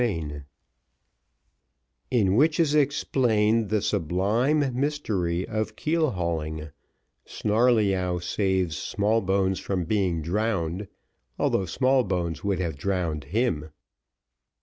Chapter X In which is explained the sublime mystery of keel hauling Snarleyyow saves Smallbones from being drowned, although Smallbones would have drowned him.